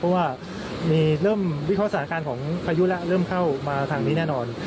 เพราะว่าเริ่มวิเคราะห์สถานการณ์ของพายุแล้วเริ่มเข้ามาทางนี้แน่นอน